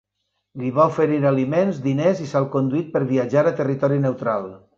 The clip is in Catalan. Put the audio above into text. Li va oferir aliments, diners i salconduit per viatjar a territori neutral.